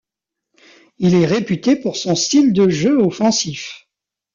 Il est réputé pour son style de jeu offensif.